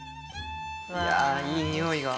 いやいいにおいが。